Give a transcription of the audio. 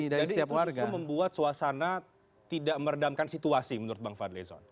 jadi itu bisa membuat suasana tidak meredamkan situasi menurut bang fadlezon